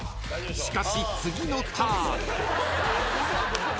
［しかし次のターン］